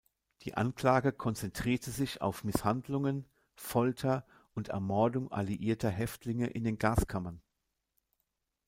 Die Anklage konzentrierte sich auf Misshandlungen, Folter und Ermordung alliierter Häftlinge in den Gaskammern.